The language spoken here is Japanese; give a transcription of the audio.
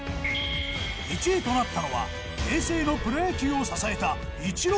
１位となったのは平成のプロ野球を支えたイチローか？